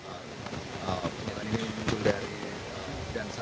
bahwa yang utama diduga santoso